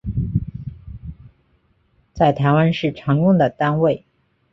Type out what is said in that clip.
在台湾是常用的单位